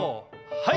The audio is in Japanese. はい！